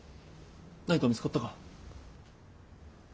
何か見つかったか？